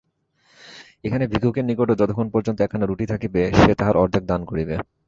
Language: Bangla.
এখানে ভিক্ষুকের নিকটও যতক্ষণ পর্যন্ত একখানা রুটি থাকিবে, সে তাহার অর্ধেক দান করিবে।